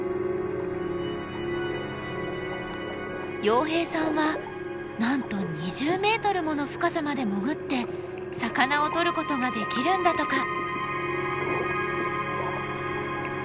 洋平さんはなんと２０ｍもの深さまで潜って魚をとることができるんだとか。